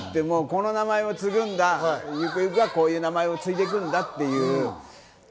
この名前を継ぐんだ、ゆくゆくはこういう名前を継いでいくんだっていう。